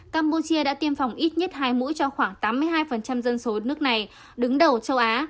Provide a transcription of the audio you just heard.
campuchia đã tiêm phòng ít nhất hai mũi cho khoảng tám mươi hai dân số nước này đứng đầu châu á